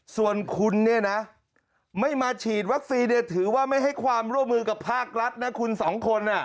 ส่วนคุณเนี่ยนะไม่มาฉีดวัคซีนเนี่ยถือว่าไม่ให้ความร่วมมือกับภาครัฐนะคุณสองคน